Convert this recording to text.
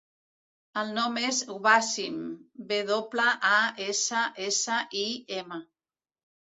El nom és Wassim: ve doble, a, essa, essa, i, ema.